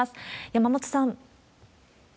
山本さん。